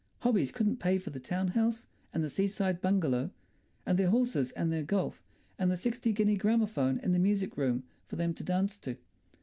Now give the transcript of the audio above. Hobbies couldn't pay for the town house and the seaside bungalow, and their horses, and their golf, and the sixty guinea gramophone in the music room for them to dance to.